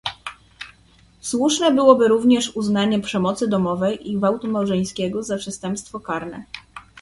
Słuszne byłoby również uznanie przemocy domowej i gwałtu małżeńskiego za przestępstwo karne